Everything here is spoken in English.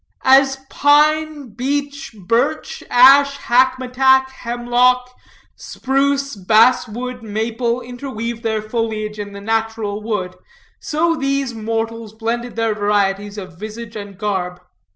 As pine, beech, birch, ash, hackmatack, hemlock, spruce, bass wood, maple, interweave their foliage in the natural wood, so these mortals blended their varieties of visage and garb.